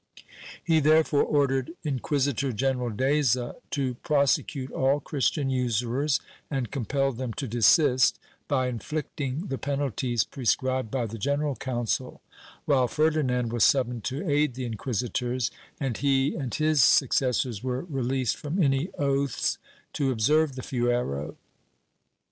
He therefore ordered Inquisitor general Deza to prosecute all Christian usurers and compel them to desist, by inflicting the penalties prescribed by the general council, while Ferdinand was summoned to aid the inquisitors, and he and his successors were released from any oaths to obsei"ve the fuero .